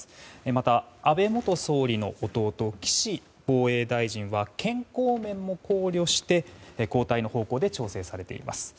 また、安倍元総理の弟岸防衛大臣は健康面も考慮して交代の方向で調整されています。